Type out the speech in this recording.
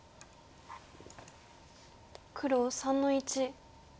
黒３の一。